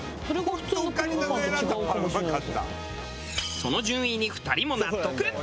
その順位に２人も納得。